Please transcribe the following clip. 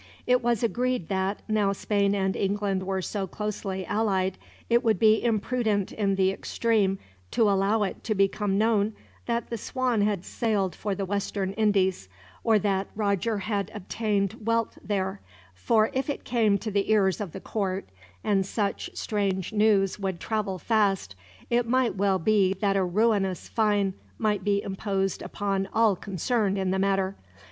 It was agreed that, now Spain and England were so closely allied, it would be imprudent in the extreme to allow it to become known that the Swan had sailed for the Western Indies, or that Roger had obtained wealth there; for if it came to the ears of the Court and such strange news would travel fast it might well be that a ruinous fine might be imposed upon all concerned in the matter.